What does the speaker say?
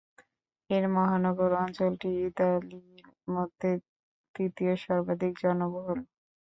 এর মহানগর অঞ্চলটি ইতালির মধ্যে তৃতীয় সর্বাধিক জনবহুল।